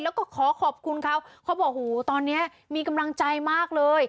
แล้วก็ขอขอบคุณเขาเขาบอกหูตอนนี้มีกำลังใจมากเลย